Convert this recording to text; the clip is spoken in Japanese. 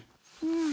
うん？